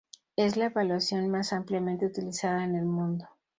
Es la evaluación más ampliamente utilizada en el mundo.